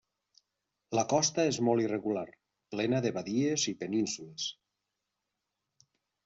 La costa és molt irregular, plena de badies i penínsules.